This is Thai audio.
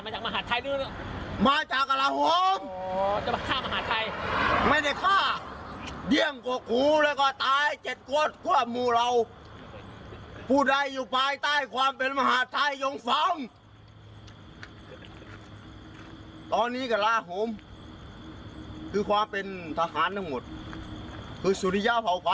อ๋อจะหมายความฆ่ามหาดไทย